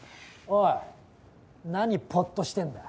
おい何ポッとしてんだ。